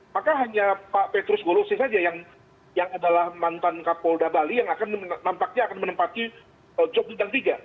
maka hanya pak petrus golose saja yang adalah mantan kapolda bali yang akan nampaknya akan menempati job bintang tiga